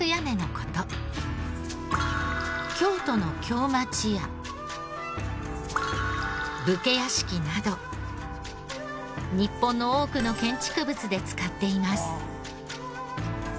京都の京町家武家屋敷など日本の多くの建築物で使っています。